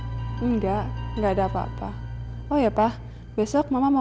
tentang apa yang terjadi